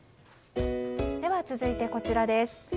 では続いて、こちらです。